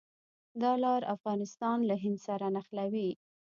دا لار افغانستان له هند سره نښلوي.